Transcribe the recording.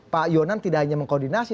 pak yonan tidak hanya mengkoordinasi